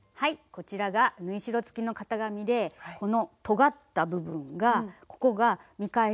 こちらが縫い代つきの型紙でこのとがった部分がここが「見返し」といいます。